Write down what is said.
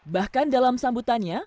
bahkan dalam sambutannya